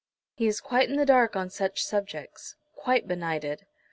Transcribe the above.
He is quite in the dark on such subjects quite benighted."